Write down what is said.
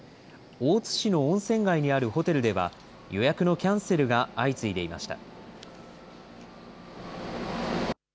大津市の温泉街にあるホテルでは、予約のキャンセルが相次いでいました。